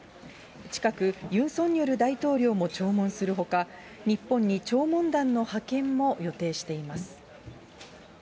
近く、ユン・ソンニョル代表も弔問するほか、日本に弔問団の派遣も予定しています。